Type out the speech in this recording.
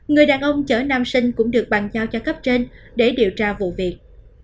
người đàn ông chở nam sinh cũng được bàn giao cho cấp trên để điều tra vụ việc